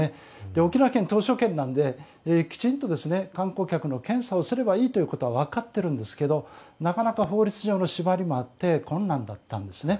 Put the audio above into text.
沖縄県、島しょ県なのできちんと観光客の検査をすればいいということは分かってるんですけど法律上の縛りもあって、なかなか困難だったんですね。